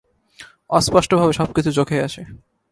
অস্পষ্টভাবে সব কিছু চোখে আসে।